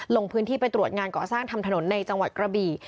ลงพื้นที่ไปตรวจงานก่อสร้างทำถนนในจังหวัดกระบี่